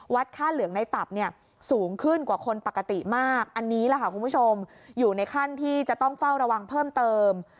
ค่าเหลืองในตับเนี่ยสูงขึ้นกว่าคนปกติมากอันนี้แหละค่ะคุณผู้ชมอยู่ในขั้นที่จะต้องเฝ้าระวังเพิ่มเติม